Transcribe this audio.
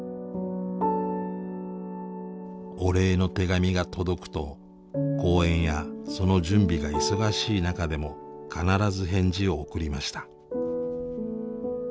お礼の手紙が届くと講演やその準備が忙しい中でも必ず返事を送りました。